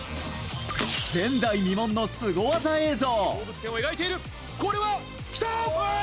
前代未聞のスゴ技映像！